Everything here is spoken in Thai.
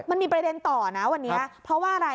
มันมีประเด็นต่อนะวันนี้